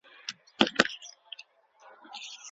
سلام بې ځوابه نه پریښودل کېږي.